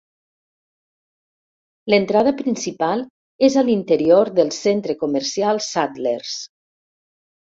L'entrada principal és a l'interior del centre comercial Saddlers.